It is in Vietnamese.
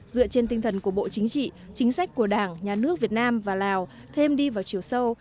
dựa trên tinh thần của bộ chính trị chính sách của đảng nhà nước việt nam và lào thêm đi vào chiều sâu